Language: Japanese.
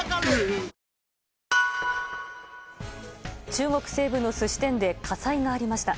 中国西部の寿司店で火災がありました。